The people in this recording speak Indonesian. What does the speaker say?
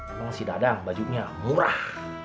emang si dadang bajunya murah